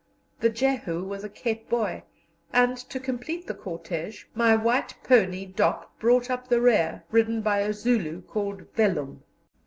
The Jehu was a Cape boy, and, to complete the cortege, my white pony Dop brought up the rear, ridden by a Zulu called Vellum.